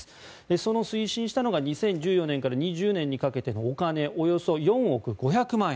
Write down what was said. その推進したのが２０１４年から２０２０年にかけてのお金およそ４億５００万円